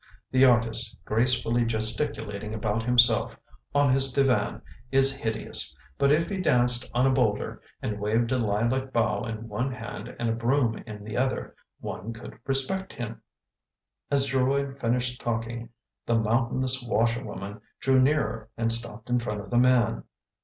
The artist, gracefully gesticulating about himself, on his divan, is hideous, but if he danced on a boulder and waved a lilac bough in one hand and a broom in the other, one could respect him." As Geroid finished talking the mountainous washer woman drew nearer and stopped in front of the man.